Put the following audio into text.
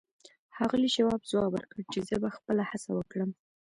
ښاغلي شواب ځواب ورکړ چې زه به خپله هڅه وکړم.